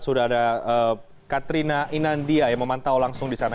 sudah ada katrina inandia yang memantau langsung di sana